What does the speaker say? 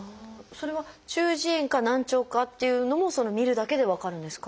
それは中耳炎か難聴かっていうのも診るだけで分かるんですか？